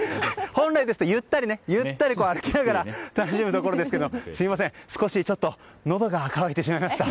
本来ですとゆったり歩きながら楽しむところですけどすみません、少しのどがかわいてしまいました。